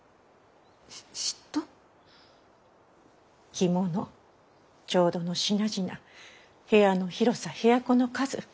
着物調度の品々部屋の広さ部屋子の数。